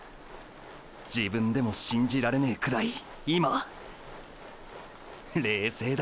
自分でも信じられねぇくらい今ーー冷静だ。